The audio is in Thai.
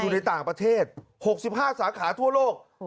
ด้วย๖๕สาขาทั่วโลก